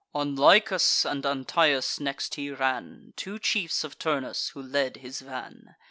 On Lycas and Antaeus next he ran, Two chiefs of Turnus, and who led his van.